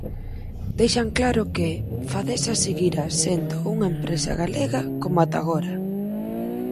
Deixan claro que "Fadesa seguirá sendo unha empresa galega como ata agora".